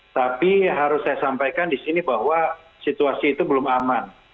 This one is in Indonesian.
tapi harus saya sampaikan di sini bahwa situasi itu belum aman